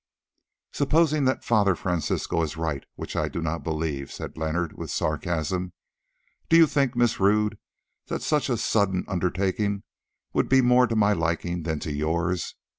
"Supposing that Father Francisco is right, which I do not believe," said Leonard, with sarcasm, "do you think, Miss Rodd, that such a sudden undertaking would be more to my liking than to yours?